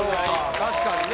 確かにね